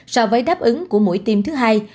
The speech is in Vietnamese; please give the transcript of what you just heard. so với đáp ứng của mũi tiêm thứ hai